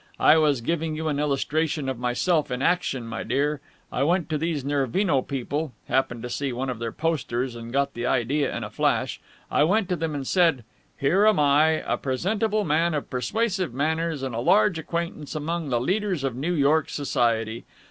I was giving you an illustration of myself in action, my dear. I went to these Nervino people happened to see one of their posters and got the idea in a flash I went to them and said, 'Here am I, a presentable man of persuasive manners and a large acquaintance among the leaders of New York Society.